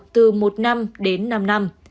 từ một năm đến năm năm